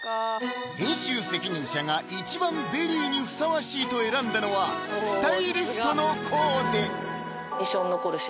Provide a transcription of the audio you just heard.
編集責任者が一番「ＶＥＲＹ」にふさわしいと選んだのはスタイリストのコーデ！